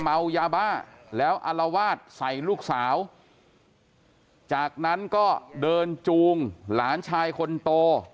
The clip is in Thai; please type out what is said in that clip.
เมายาบ้าแล้วอารวาสใส่ลูกสาวจากนั้นก็เดินจูงหลานชายคนโต